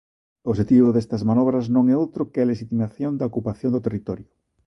O obxectivo destas manobras non é outro que a lexitimación da ocupación do territorio.